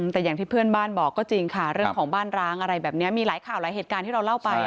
แต่อย่างที่เพื่อนบ้านบอกก็จริงค่ะเรื่องของบ้านร้างอะไรแบบนี้มีหลายข่าวหลายเหตุการณ์ที่เราเล่าไป